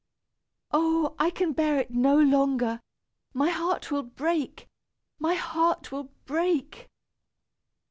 "Oh! I can bear it no longer. My heart will break! My heart will break."